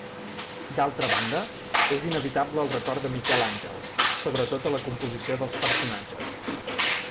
D'altra banda, és inevitable el record de Miquel Àngel, sobretot a la composició dels personatges.